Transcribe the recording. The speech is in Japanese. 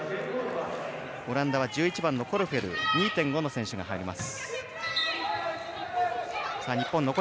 オランダが１１番、コルフェル２．５の選手が入ります。